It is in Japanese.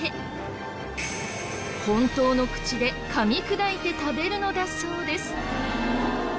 本当の口で噛み砕いて食べるのだそうです。